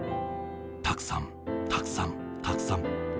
たくさん、たくさん、たくさん。